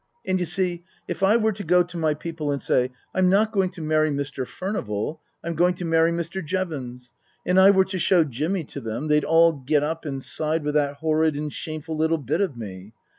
And, you see, if I were to go to my people and say, ' I'm not going to marry Mr. Furnival ; I'm going to marry Mr. Jevons,' and I were to show Jimmy to them, they'd all get up and side with that horrid and shameful little bit of me.